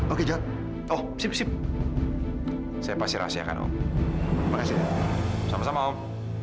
oke joh oh sip sip saya pasti rahasiakan om terima kasih sama sama om